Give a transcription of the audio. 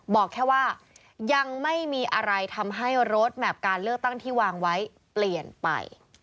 บอกแค่ว่ายังไม่มีอะไรทำให้รถแมพการเลือกตั้งที่วางไว้เปลี่ยนไป